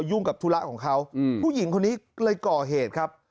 ยุ่งกับธุระของเขาผู้หญิงคนนี้เลยก่อเหตุครับ